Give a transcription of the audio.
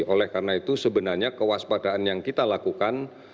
oleh karena itu sebenarnya kewaspadaan yang kita lakukan